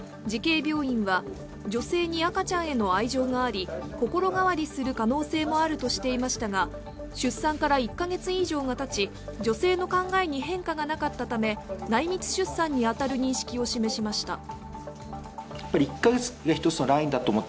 慈恵病院は、女性に赤ちゃんへの愛情があり心変わりする可能性もあるとしていましたが、出産から１カ月以上がたち女性の考えに変化がなかったため内密出産に当たる認識を示しました。